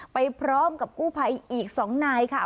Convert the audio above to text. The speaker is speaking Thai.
ไปพร้อมกับกู้ภัยอีก๒นายค่ะ